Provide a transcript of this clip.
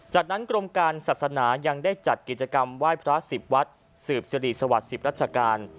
จากนั้นกรมการศาสนายังได้จัดกิจกรรมไหว้พระ๑๐วัดสืบสิริสวัสดิ์๑๐ราชการ